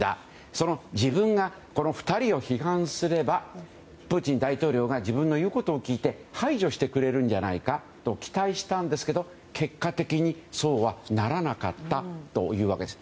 その自分が、２人を批判すればプーチン大統領が自分の言うことを聞いて排除してくれるんじゃないかと期待をしたんですが結果的に、そうはならなかったというわけです。